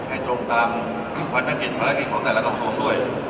ให้ตรงตามภัณฑกิจภัณฑกิจของแต่ละกังคลมด้วย